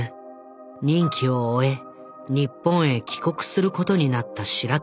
任期を終え日本へ帰国することになった白川。